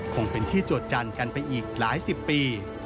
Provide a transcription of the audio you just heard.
คงเป็นที่จวดจันทร์กันไปอีกหลายสิบปี